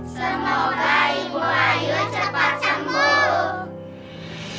semoga ibu ayu cepet sembuh